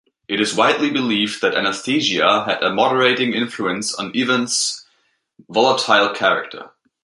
It is widely believed that Anastasia had a moderating influence on Ivan's volatile character.